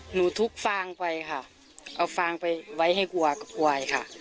หนูทุบฟางไปค่ะเอาฟางไปไว้ให้กลัวกับควายค่ะ